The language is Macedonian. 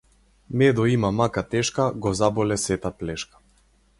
Медо има мака тешка го заболе сета плешка.